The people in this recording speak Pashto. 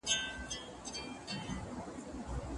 دينداره ميرمن د خاوند نافرماني نکوي.